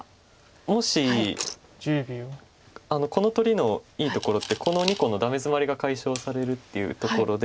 もしこの取りのいいところってこの２個のダメヅマリが解消されるっていうところで。